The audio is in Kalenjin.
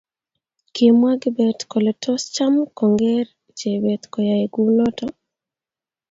kimwa kibet kole tos Cham kongeer Chebet koyae kunoto